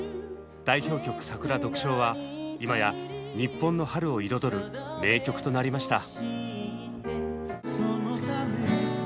代表曲「さくら」は今や日本の春を彩る名曲となりました。